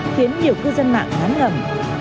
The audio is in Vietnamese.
khiến nhiều cư dân mạng ngắn ngầm